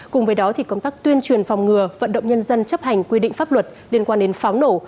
cùng với đó thì công tác tuyên truyền phòng ngừa vận động nhân dân chấp hành quy định pháp luật liên quan đến pháo nổ